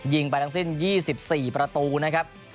ไปทั้งสิ้น๒๔ประตูนะครับ